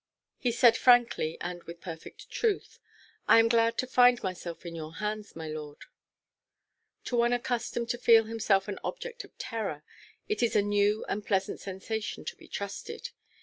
He said frankly, and with perfect truth, "I am glad to find myself in your hands, my lord." To one accustomed to feel himself an object of terror, it is a new and pleasant sensation to be trusted.